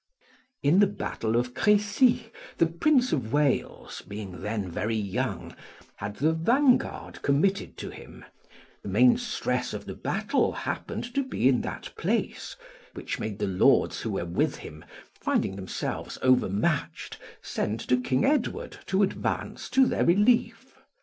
In the battle of Crecy, the Prince of Wales, being then very young, had the vanguard committed to him: the main stress of the battle happened to be in that place, which made the lords who were with him, finding themselves overmatched, send to King Edward to advance to their relief.